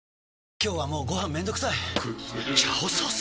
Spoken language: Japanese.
今日はもうご飯めんどくさい「炒ソース」！？